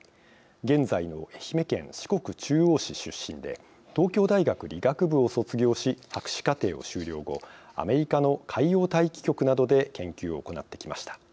現在の愛媛県四国中央市出身で東京大学理学部を卒業し博士課程を修了後アメリカの海洋大気局などで研究を行ってきました。